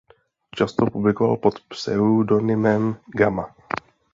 Často publikoval pod pseudonymem Gamma.